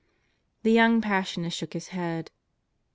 The young Passionist shook his head.